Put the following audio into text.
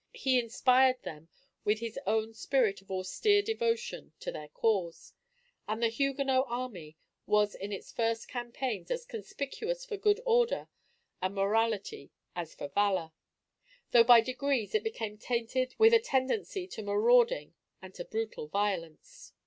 He inspired them with his own spirit of austere devotion to their cause; and the Huguenot army was in its first campaigns as conspicuous for good order and morality as for valor; though by degrees it became tainted with a tendency to marauding and to brutal violence.